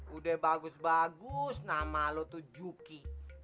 udah bagus bagus nama lo tuh juki